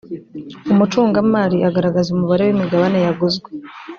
umucungamari agaragaza umubare w imigabane yaguzwe